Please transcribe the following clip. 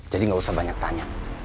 jadi gak usah banyak tanya